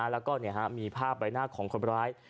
แล้วก็มีภาพใบหน้าของคนร้าย